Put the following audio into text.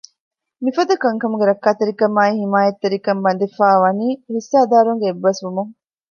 މިފަދަ ކަންކަމުގެ ރައްކާތެރިކާއި ހިމާޔަތްތެރިކަން ބަނދެވިފައި ވަނީ ހިއްސާދާރުންގެ އެއްބަސްވުމުން